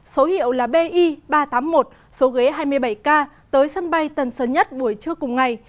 số hiệu là bi ba trăm tám mươi một số ghế hai mươi bảy k tới sân bay tân sơn nhất buổi trưa cùng ngày